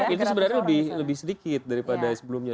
itu sebenarnya lebih sedikit daripada sebelumnya